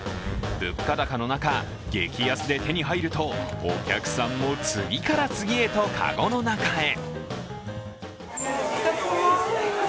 物価高の中、激安で手に入るとお客さんも次から次へとかごの中へ。